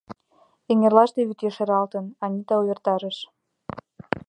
— Эҥерлаште вӱд ешаралтын, — Анита увертарыш.